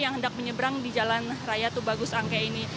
yang hendak menyeberang di jalan raya tubagus angke ini